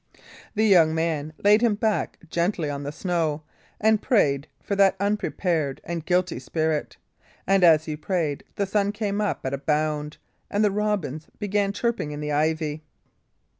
The young man laid him back gently on the snow and prayed for that unprepared and guilty spirit, and as he prayed the sun came up at a bound, and the robins began chirping in the ivy.